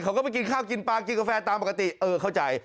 เขาก็ไปกินข้าวกินปลากินกาแฟตามปกติเออเข้าใจ